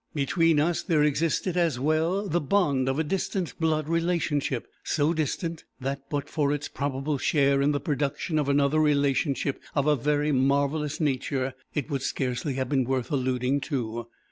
Between us there existed, as well, the bond of a distant blood relationship; so distant, that but for its probable share in the production of another relationship of a very marvellous nature, it would scarcely have been worth alluding to.